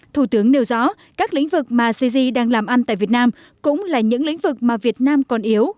thủ tướng nêu rõ các lĩnh vực mà cgi đang làm ăn tại việt nam cũng là những lĩnh vực mà việt nam còn yếu